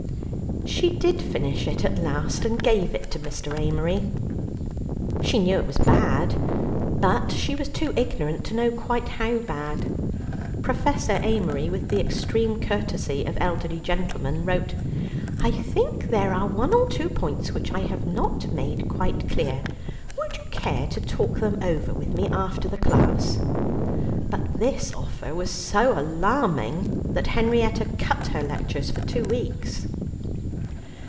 She did finish it at last, and gave it to Mr. Amery. She knew it was bad, but she was too ignorant to know quite how bad. Professor Amery, with the extreme courtesy of elderly gentlemen, wrote: "I think there are one or two points which I have not made quite clear. Would you care to talk them over with me after the class?" But this offer was so alarming that Henrietta "cut" her lectures for two weeks.